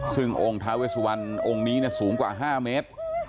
ซึ่งองค์ทาเวทสุวรรค์องค์นี้น่ะสูงกว่าห้าเมตร